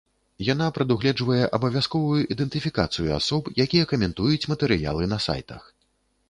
Яна прадугледжвае абавязковую ідэнтыфікацыю асоб, якія каментуюць матэрыялы на сайтах.